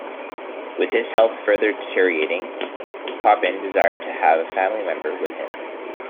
With his health further deteriorating, Chopin desired to have a family member with him.